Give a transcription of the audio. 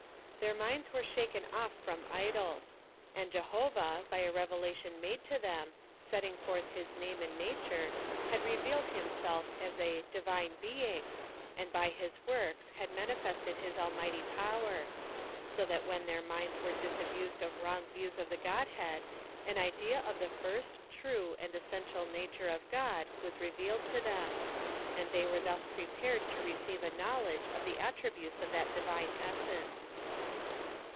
Their minds were shaken off from idols ; and Jehovah, by a revelation made to them, setting forth his name and nature, had revealed himself as a DIVINE BEING, and by his works, had manifested his almighty power : so that when their minds were disabused of wrong views of the Godhead, an idea of the first, true, and essential nature of God was revealed to them ; and they were thus prepared to receive a knowledge of the attributes of that divine essence.